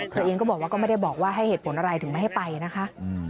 เธอเองก็บอกว่าก็ไม่ได้บอกว่าให้เหตุผลอะไรถึงไม่ให้ไปนะคะ